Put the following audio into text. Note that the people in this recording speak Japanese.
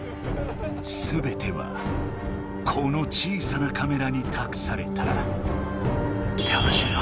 すべてはこの小さなカメラにたくされた。